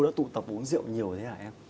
đã tụ tập uống rượu nhiều thế hả em